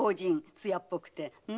艶っぽくてねえ？